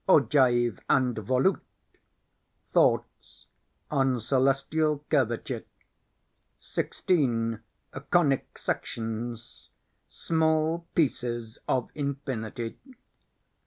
Ogive and Volute Thoughts on Celestial Curviture. 16. Conic Sections Small Pieces of Infinity.